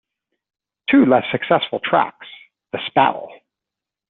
Two less successful tracks, The Spell!